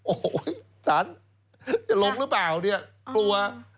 โอ้โฮศาลจะลงหรือเปล่าเดี๋ยวตัว